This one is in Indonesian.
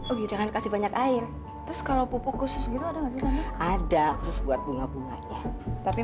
oh jangan kasih banyak air terus kalau pupuk khusus gitu ada ada khusus buat bunga bunga tapi